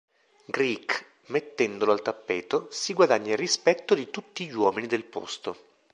Greek, mettendolo al tappeto, si guadagna il rispetto di tutti gli uomini del posto.